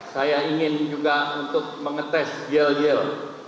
saya ingin juga untuk mengetes gel gel